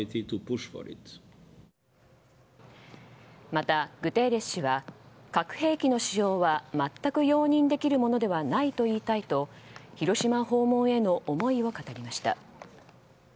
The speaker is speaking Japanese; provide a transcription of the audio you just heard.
また、グテーレス氏は核兵器の使用は全く容認できるものではないといいたいと広島訪問への思いを語りました。